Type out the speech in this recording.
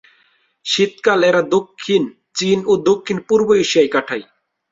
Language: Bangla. শীতকাল এরা দক্ষিণ চীন ও দক্ষিণ-পূর্ব এশিয়ায় কাটায়।